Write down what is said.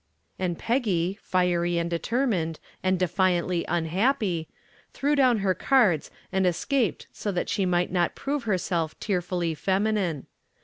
And Peggy, fiery and determined and defiantly unhappy, threw down her cards and escaped so that she might not prove herself tearfully feminine.